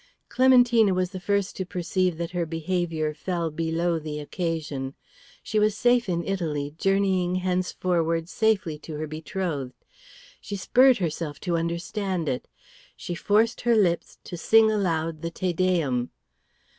Clementina was the first to perceive that her behaviour fell below the occasion. She was safe in Italy, journeying henceforward safely to her betrothed. She spurred herself to understand it, she forced her lips to sing aloud the Te Deum.